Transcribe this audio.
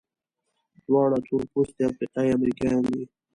دواړه تورپوستي افریقایي امریکایان دي.